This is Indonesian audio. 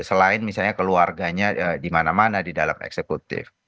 selain misalnya keluarganya di mana mana di dalam eksekutif